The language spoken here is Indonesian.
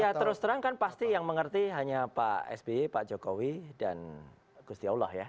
ya terus terang kan pasti yang mengerti hanya pak sby pak jokowi dan gusti allah ya